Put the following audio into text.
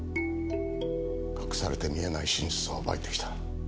隠されて見えない真実を暴いてきた。